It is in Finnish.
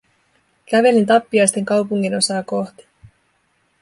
Kävelin tappiaisten kaupunginosaa kohti.